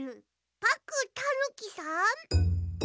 パックンたぬきさん？